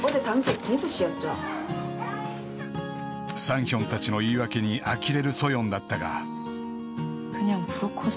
［サンヒョンたちの言い訳にあきれるソヨンだったが］